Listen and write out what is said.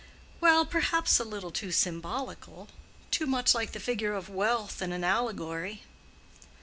"Well, perhaps a little too symbolical—too much like the figure of Wealth in an allegory."